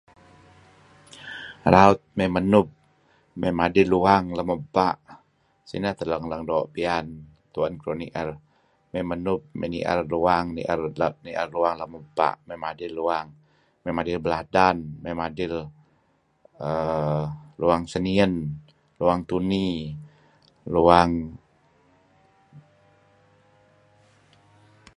Raut may menub madil luang meba' sineh teh leng-leng doo' piyan tuen keduih nier. May menub may nier luwang lem ebpa' madil luang may madil Beladan ay mail uhm Luang Senien, Luang Tuni, Luang.